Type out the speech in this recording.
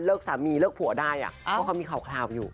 สามีเลิกผัวได้เพราะเขามีข่าวอยู่